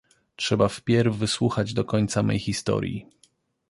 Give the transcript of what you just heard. Trzeba wpierw wysłuchać do końca mej historii.